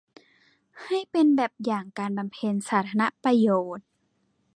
ให้เป็นแบบอย่างการบำเพ็ญสาธารณประโยชน์